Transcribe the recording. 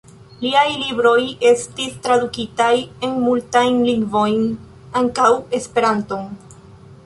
Liaj libroj estis tradukitaj en multajn lingvojn, ankaŭ Esperanton.